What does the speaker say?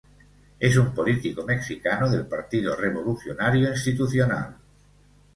Es un político mexicano del Partido Revolucionario Institucional.